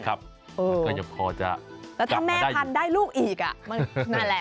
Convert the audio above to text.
แล้วก็อย่าพอจะกลับมาได้แล้วถ้าแม่พันธุ์ได้ลูกอีกนั่นแหละ